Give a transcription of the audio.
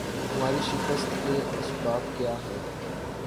ہماری شکست کے اسباب کیا ہیں